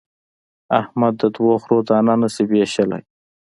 احمد د دوو خرو دانه نه شي وېشلای.